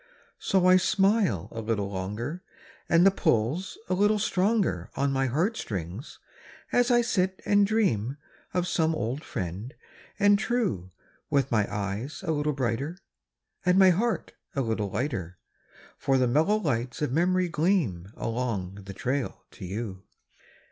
S O I smile a little longer, And the pull's a little stronger On mg heart strings as I sit and ] dream of some old "friend and true °(Dith mg eges a little brighter And mg heart a little lighter, por the mellow lights OT memorij qleam Aloncj the trail to gou.